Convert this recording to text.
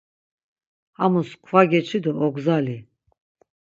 Hamus kva geçi do ogzali.